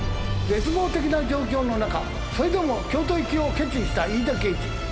絶望的な状況の中それでも京都行きを決意した飯田刑事。